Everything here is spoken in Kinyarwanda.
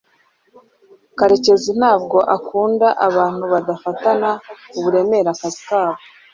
karekezi ntabwo akunda abantu badafatana uburemere akazi kabo